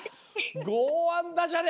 ごうわんダジャレ。